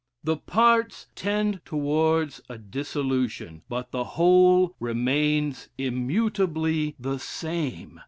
The parts tend towards a dissolution, but the whole remains immutably the same.